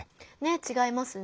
違いますね。